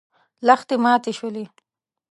لښتې ماتې شولې.